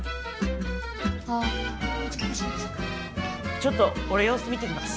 ちょっと俺様子見てきます。